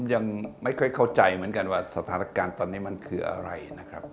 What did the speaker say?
ยังไม่ค่อยเข้าใจเหมือนกันว่าสถานการณ์ตอนนี้มันคืออะไรนะครับ